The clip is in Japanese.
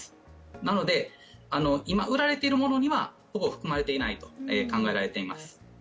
なので、今売られているものにはほぼ含まれていないと考えられています。